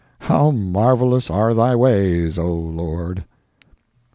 How marvelous are thy ways, O Lord!